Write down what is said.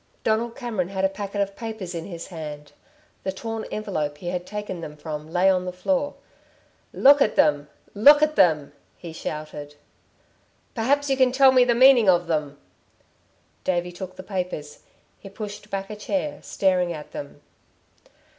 Donald Cameron had a packet of papers in his hand. The torn envelope he had taken them from lay on the floor. "Look at them ... look at them!" he shouted. "Perhaps you can tell me the meaning of them." David took the papers. He pushed back a chair, staring at them.